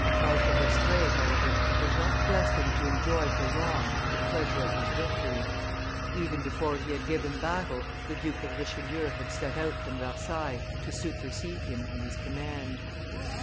Marshal d'Estrees, however, was not destined to enjoy for long the pleasure of his victory. Even before he had given battle the Duke of Richelieu had set out from Versailles to supersede him in his command.